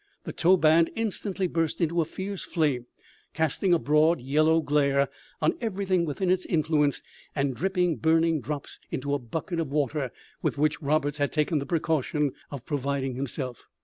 The tow band instantly burst into a fierce flame, casting a broad yellow glare on everything within its influence, and dripping burning drops into a bucket of water with which Roberts had taken the precaution of providing himself.